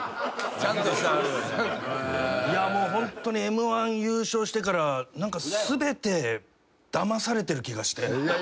ホントにＭ−１優勝してから何か全てだまされてる気がして。